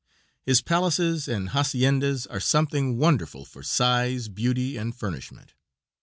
His palaces and haciendas are something wonderful for size, beauty, and furnishment.